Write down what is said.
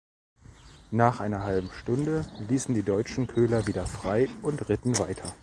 Nach einer halben Stunde ließen die Deutschen Köhler wieder frei und ritten weiter.